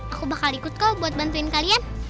aku bakal ikut kok buat bantuin kalian